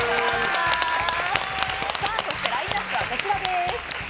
そしてラインアップはこちらです。